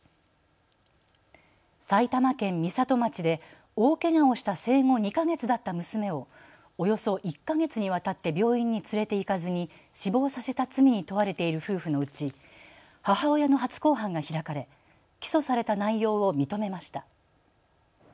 埼玉県美里町で大けがをした生後２か月だった娘をおよそ１か月にわたって病院に連れて行かずに死亡させた罪に問われている夫婦のうち母親の初公判が開かれ起訴された内容を認めました。